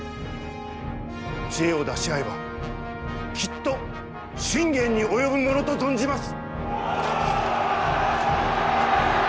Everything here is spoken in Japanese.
知恵を出し合えばきっと信玄に及ぶものと存じます！